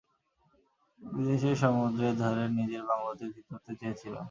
বিদেশে সমুদ্রের ধারে নিজের বাংলোতে থিতু হতে চেয়েছিলাম।